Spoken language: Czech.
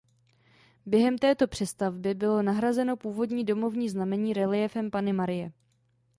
Během této přestavby bylo nahrazeno původní domovní znamení reliéfem Panny Marie.